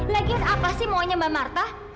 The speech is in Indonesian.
legis apa sih maunya mbak marta